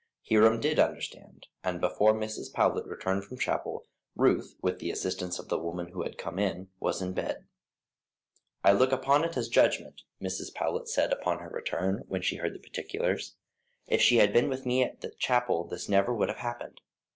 Hiram did understand, and before Mrs. Powlett returned from chapel, Ruth, with the assistance of the woman who had come in, was in bed. "I look upon it as a judgment," Mrs. Powlett said upon her return, when she heard the particulars. "If she had been with me at chapel this never would have happened.